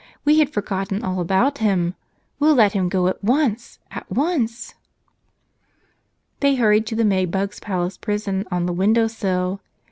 "We had forgotten all about him. We'll let him go at once, at once." They hurried to the May bug's palace prison on the window sill.